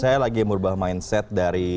saya lagi merubah mindset dari